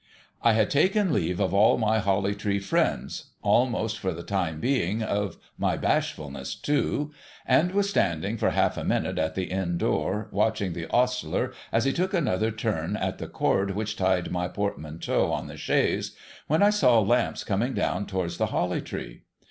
I had taken leave of all my Holly Tree friends — almost, for the time being, of my bashfulness too — and was standing for half a minute at the Inn door watching the ostler as he took another turn at the cord which tied my portmanteau on the chaise, when I saw lamps coming down towards the Holly Tree.